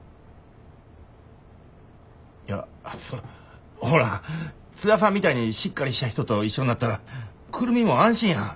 いやそのほら津田さんみたいにしっかりした人と一緒になったら久留美も安心やん。